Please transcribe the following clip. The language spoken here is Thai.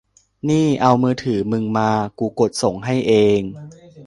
นี่ เอามือถือมึงมา กูกดส่งให้เอง